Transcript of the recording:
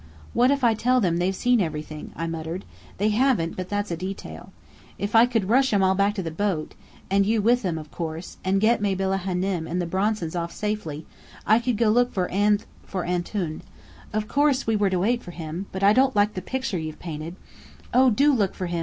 "What if I tell them they've seen everything?" I muttered. "They haven't, but that's a detail. If I could rush 'em all back to the boat and you with them, of course, and get Mabella Hânem and the Bronsons off safely, I could go look for Anth for Antoun. Of course we were to wait for him, but I don't like the picture you've painted " "Oh, do look for him!"